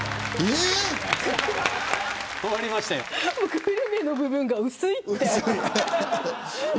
グルメの部分が薄いって。